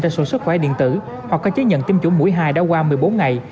ra sổ sức khỏe điện tử hoặc có chế nhận tiêm chủng mũi hai đã qua một mươi bốn ngày